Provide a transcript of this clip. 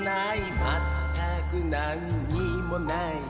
まったくなんにもない